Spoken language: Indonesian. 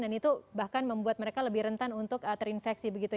dan itu bahkan membuat mereka lebih rentan untuk terinfeksi